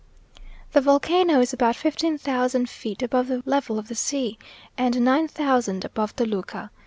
The volcano is about fifteen thousand feet above the level of the sea, and nine thousand above Toluca.